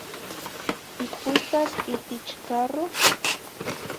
Ticuicas itich carroh?